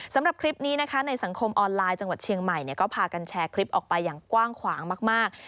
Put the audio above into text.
สำหรับคลิปนี้นะคะในสังคมออนไลน์จังหวัดเชียงใหม่ก็พากันแชร์คลิปออกไปอย่างกว้างขวางมาก